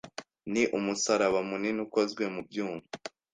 Ni umusaraba munini ukozwe mu byuma